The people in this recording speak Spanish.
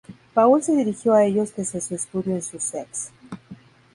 Paul se dirigió a ellos desde su estudio en Sussex.